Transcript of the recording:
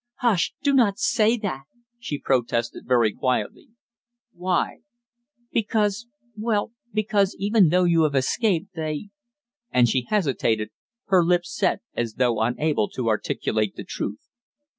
"Hush! Do not say that," she protested very quietly. "Why?" "Because well, because even though you have escaped, they " and she hesitated, her lips set as though unable to articulate the truth.